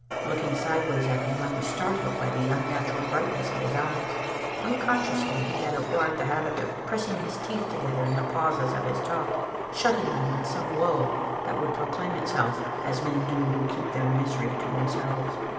Looking sideways at him I was startled by the un natural brightness of his eyes. Unconsciously he had acquired the habit of pressing his teeth together in the pauses of his talk, shutting them on some woe that would proclaim itself, as men do who keep their misery to themselves.